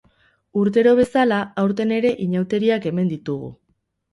Urtero bezala, aurten ere inauteriak hemen ditugu.